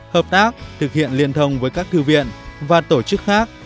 hợp tác thực hiện liên thông với các thư viện và tổ chức khác